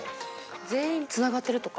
全員つながってるとか？